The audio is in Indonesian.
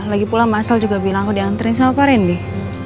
lagi pulang mas al juga bilang aku diantriin sama pak rendy